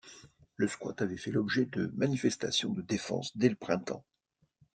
Le squatt avait fait l'objet de manifestations de défense dès le printemps.